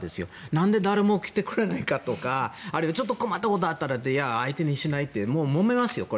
何で誰も来てくれないかとかあるいはちょっと困ったことがあっても相手にしないというこれはもめますよ。